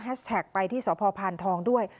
แฮชแท็กไปที่สพทองด้วย